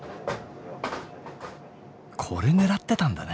これ狙ってたんだね。